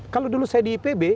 kalau dulu saya di ipb